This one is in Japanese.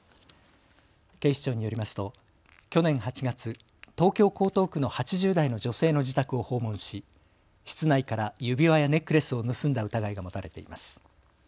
警視庁によりますと去年８月、東京江東区の８０代の女性の自宅を訪問し、室内から指輪やネックレスを盗んだ疑いが持たれています。